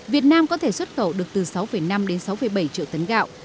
việt nam có thể xuất khẩu được từ sáu năm đến sáu bảy triệu tấn gạo